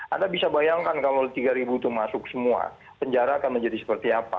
anda bisa bayangkan kalau tiga ribu itu masuk semua penjara akan menjadi seperti apa